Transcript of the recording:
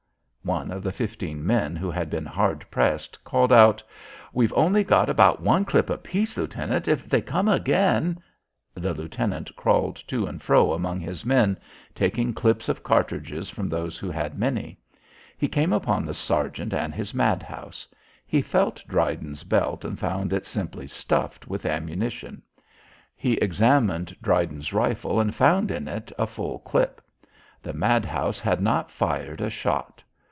One of the fifteen men, who had been hard pressed, called out, "We've only got about one clip a piece, Lieutenant. If they come again " The lieutenant crawled to and fro among his men, taking clips of cartridges from those who had many. He came upon the sergeant and his madhouse. He felt Dryden's belt and found it simply stuffed with ammunition. He examined Dryden's rifle and found in it a full clip. The madhouse had not fired a shot.